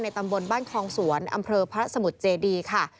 ตำบลบ้านคลองสวนอำเภอพระสมุทรเจดีค่ะ